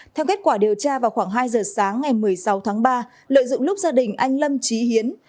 theo kết quả điều tra vào khoảng hai giờ sáng ngày một mươi sáu tháng ba lợi dụng lúc gia đình anh lâm trí hiến